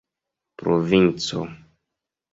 provinco